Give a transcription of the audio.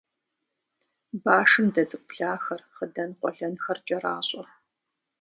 Башым дэ цӀыкӀу блахэр, хъыдан къуэлэнхэр кӀэращӀэ.